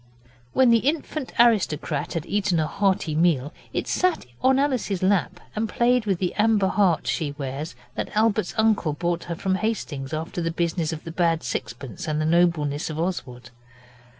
When the infant aristocrat had eaten a hearty meal it sat on Alice's lap and played with the amber heart she wears that Albert's uncle brought her from Hastings after the business of the bad sixpence and the nobleness of Oswald.